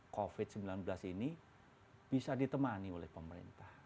covid sembilan belas ini bisa ditemani oleh pemerintah